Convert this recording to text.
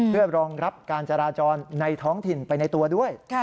เพื่อรองรับการจราจรในท้องถิ่นไปในตัวด้วย